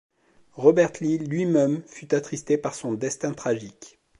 Robert Lee lui-même fut attristé par son destin tragique.